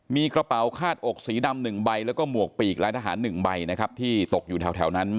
มีกระเป๋าคาดอกสีดำ๑ใบแล้วก็หมวกปีกลายทหาร๑ใบนะครับที่ตกอยู่แถวนั้น